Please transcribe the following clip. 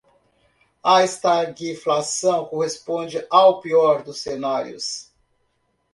A estagflação corresponde ao pior dos cenários